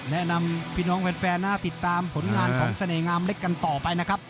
แนะนำพี่น้องแฟนติดตามผลงานของเสน่หงามเล็กกันต่อไปนะครับ